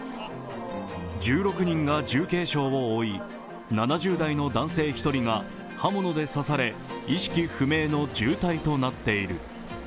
１６人が重軽傷を負い、７０代の男性１人が刃物で刺され意識不明の重体となっている。